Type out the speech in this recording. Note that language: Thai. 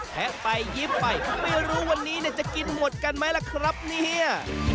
แทะไปยิ้มไปไม่รู้วันนี้เนี่ยจะกินหมดกันไหมล่ะครับเนี่ย